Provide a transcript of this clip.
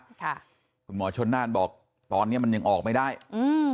ค่ะคุณหมอชนน่านบอกตอนเนี้ยมันยังออกไม่ได้อืม